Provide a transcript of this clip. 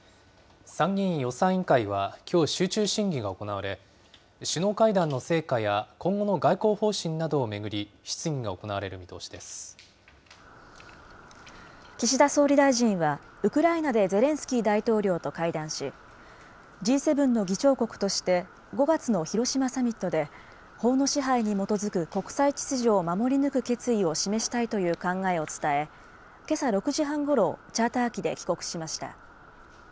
参議院予算委員会はきょう集中審議が行われ、首脳会談の成果や、今後の外交方針などを巡り、質疑が行われる見岸田総理大臣は、ウクライナでゼレンスキー大統領と会談し、Ｇ７の議長国として、５月の広島サミットで、法の支配に基づく国際秩序を守り抜く決意を示したいという考えを伝え、けさ６時半ごろ、チャーター機で帰国しました。